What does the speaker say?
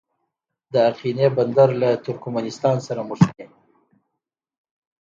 د اقینې بندر له ترکمنستان سره نښلي